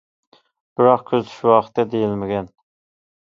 بىراق كۆزىتىش ۋاقتى دېيىلمىگەن.